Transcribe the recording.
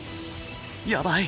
やばい！